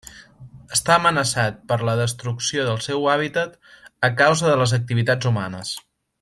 Està amenaçat per la destrucció del seu hàbitat a causa de les activitats humanes.